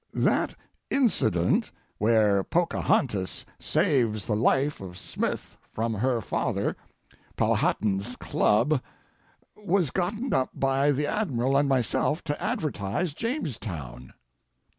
That incident where Pocahontas saves the life of Smith from her father, Powhatan's club, was gotten up by the Admiral and myself to advertise Jamestown.